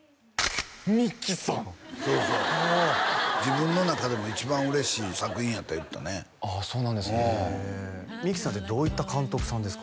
三木さんそうそう自分の中でも一番嬉しい作品やった言ってたねああそうなんですねへえ三木さんってどういった監督さんですか？